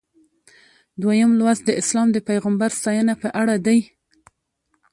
دویم لوست د اسلام د پیغمبر ستاینه په اړه دی.